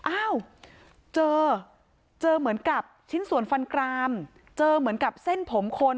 อ้าวเจอเจอเหมือนกับชิ้นส่วนฟันกรามเจอเหมือนกับเส้นผมคน